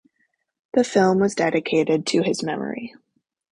The film was dedicated to his memory.